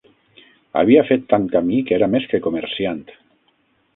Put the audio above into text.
Havia fet tant camí que era més que comerciant